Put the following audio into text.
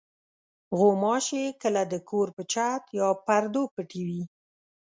غوماشې کله د کور په چت یا پردو پټې وي.